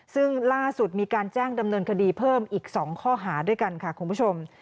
ซึ่งล่าสุดมีการแจ้งดำเนินคดีเพิ่มอีก๒ข้อหาด้วยกันค่ะคุณผู้ชม